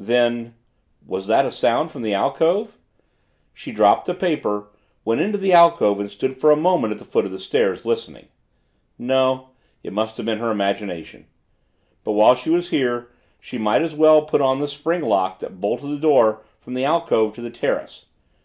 Then was that a sound from the alcove? She dropped the paper, went into the alcove and stood for a moment at the foot of the stairs, listening. No it must have been imagination. But, while she was here, she might as well put on the spring lock that bolted the door from the alcove to the terrace.